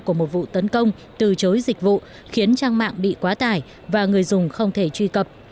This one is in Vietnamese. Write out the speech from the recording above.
của một vụ tấn công từ chối dịch vụ khiến trang mạng bị quá tải và người dùng không thể truy cập